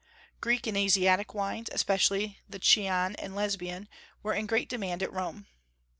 Greek and Asiatic wines, especially the Chian and Lesbian, were in great demand at Rome.